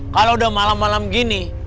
kalau udah malam malam gini